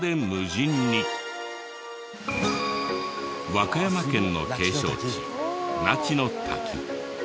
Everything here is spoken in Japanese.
和歌山県の景勝地那智の滝。